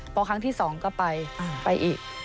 พอครั้งที่๒ก็ไปไปอีก